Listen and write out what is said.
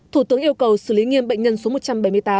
thủ tướng yêu cầu xử lý nghiêm bệnh nhân số một trăm bảy mươi tám